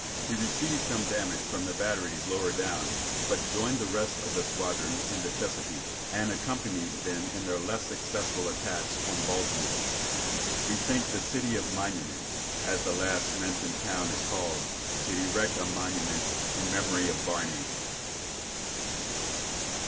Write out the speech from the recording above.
He received some damage from the batteries lower down, but joined the rest of the squadron in the Chesapeake, and accompanied them in their less successful attacks on Baltimore. We think the "City of Monuments," as the last mentioned town is called, should erect a monument to the memory of Barney.